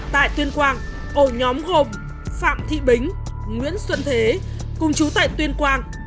tại tuyên quang ổ nhóm gồm phạm thị bính nguyễn xuân thế cùng chú tại tuyên quang